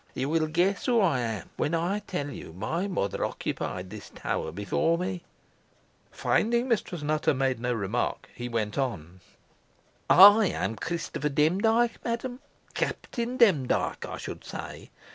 You will guess who I am when I tell you my mother occupied this tower before me." Finding Mistress Nutter made no remark, he went on. "I am Christopher Demdike, madam Captain Demdike, I should say.